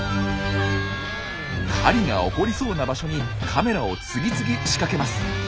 狩りが起こりそうな場所にカメラを次々仕掛けます。